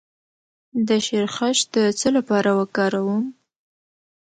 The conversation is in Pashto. د شیرخشت د څه لپاره وکاروم؟